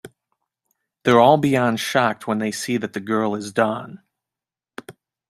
They're all beyond shocked when they see that the girl is Dawn.